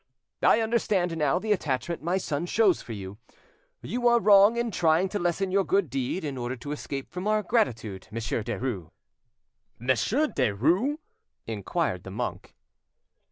"I understand now the attachment my son shows for you. You are wrong in trying to lessen your good deed in order to escape from our gratitude, Monsieur Derues." "Monsieur Derues?" inquired the monk.